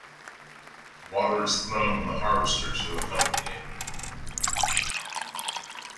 Water is thrown on the harvesters who accompany it.